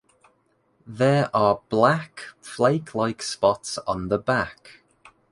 There are black flake-like spots on the back.